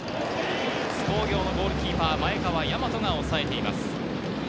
津工業のゴールキーパー・前川大和が抑えています。